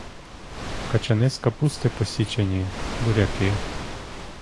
Качани з капусти посічені, буряки.